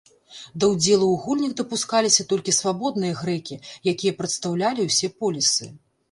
Да ўдзелу ў гульнях дапускаліся толькі свабодныя грэкі, якія прадстаўлялі ўсе полісы.